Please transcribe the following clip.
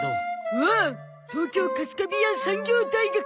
おおっ東京カスカビアン産業大学！